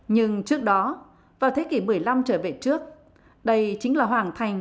nhưng trước đó vào thế kỷ một mươi năm trở về trước đây chính là hoàng thành